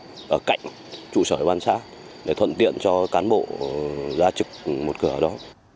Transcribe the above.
ở gần ở cạnh trụ sở bán xã để thuận tiện cho cán bộ ra trực một cửa đó